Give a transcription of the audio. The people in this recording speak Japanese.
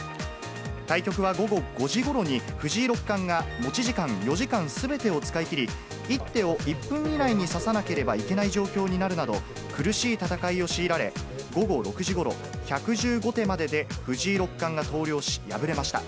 対局は午後５時ごろに藤井六冠が持ち時間４時間すべてを使い切り、一手を１分以内に指さなければいけない状況になるなど、苦しい戦いを強いられ、午後６時ごろ、１１５手までで藤井六冠が投了し、敗れました。